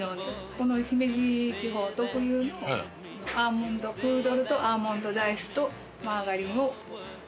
この姫路地方特有のアーモンドプードルとアーモンドダイスとマーガリンを。